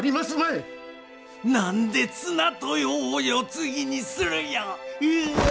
何で綱豊を世継ぎにするんや。